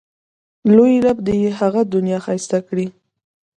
لوی رب دې یې هغه دنیا ښایسته کړي.